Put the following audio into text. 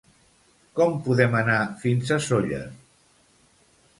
Com podem anar fins a Sóller?